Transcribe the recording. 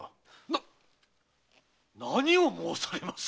な何を申されます